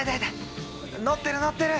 乗ってる乗ってる！